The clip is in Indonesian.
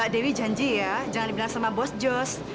dewi janji ya jangan dibilang sama bos jos